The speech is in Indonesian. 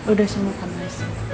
udah sembuh kan mas